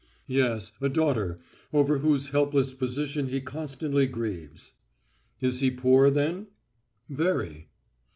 "Yes, a daughter, over whose helpless position he constantly grieves." "He is poor, then?" "Very."